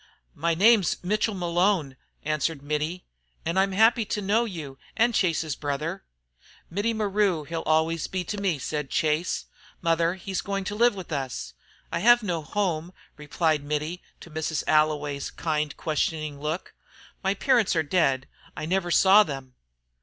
"My name's Mitchel Malone," answered Mittie, "an' I'm happy to know you an Chase's brother." "Mittie maru, he'll always be to me," said Chase. "Mother, he is going to live with us." "I hev no home," replied Mittie, to Mrs. Alloway's kind questioning look. "My parents are dead. I never saw them."